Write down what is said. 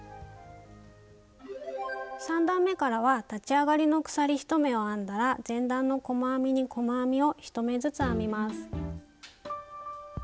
３段めからは立ち上がりの鎖１目を編んだら前段の細編みに細編みを１目ずつ編みます。